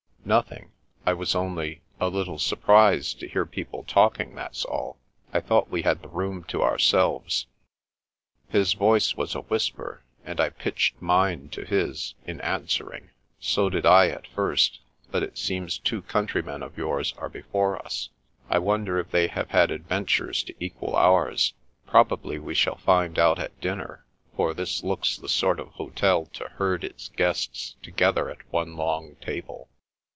" Nothing. I was only — ^a little surprised to hear people talking, that's all. I thought we had the room to ourselves." His voice was a whisper, and I pitched mine to his in answering. " So did I at first, but it seems two countrymen of yours are before us. I wonder if they have had adventures to equal ours? Probably we shall find out at dinner, for this looks the sort of hotel to herd its guests together at one long table."